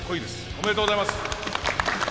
おめでとうございます。